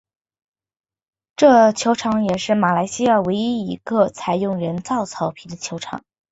这球场也是马来西亚唯一一个采用人造草皮的球场。